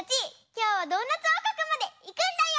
きょうはドーナツおうこくまでいくんだよ！